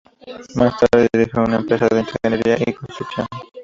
Más tarde dirigió una empresa de ingeniería y construcción.